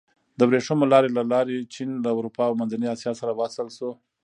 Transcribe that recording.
د ورېښمو لارې له لارې چین له اروپا او منځنۍ اسیا سره وصل شو.